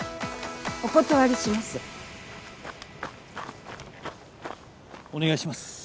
お断りします